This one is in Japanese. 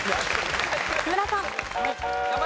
木村さん。